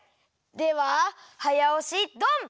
でははやおしドン！